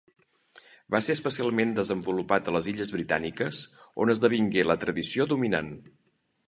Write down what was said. Va ser especialment desenvolupat a les Illes Britàniques, on esdevingué la tradició dominant.